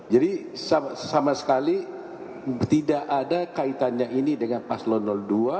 jadi sama sekali tidak ada kaitannya ini dengan paslon no dua